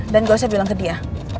dan nggak usah bilang ke dia